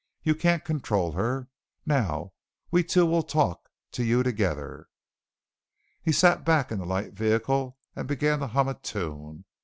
You can't control her. Now we two will talk to you together." He sat back in the light vehicle and began to hum a tune.